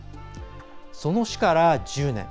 その死から１０年。